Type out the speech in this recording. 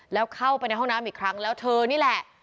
แล้วเข้าไปในห้องน้ำอีกครั้งแล้วเธอนี่แหละ